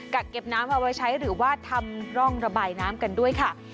กักเก็บน้ำเอาไว้ใช้หรือว่าทำร่องระบายน้ำกันด้วยค่ะ